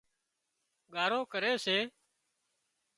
ڳارو ڪري سي